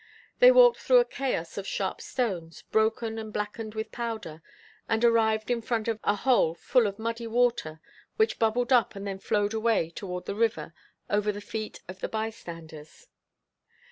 They walked through a chaos of sharp stones, broken, and blackened with powder, and arrived in front of a hole full of muddy water which bubbled up and then flowed away toward the river over the feet of the bystanders.